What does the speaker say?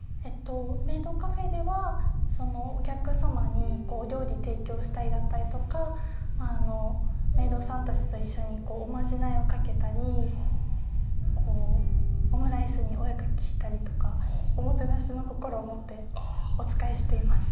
メイドカフェではお客様にお料理提供したりだったりとかメイドさんたちと一緒におまじないをかけたりオムライスにお絵描きしたりとかおもてなしの心を持ってお仕えしています。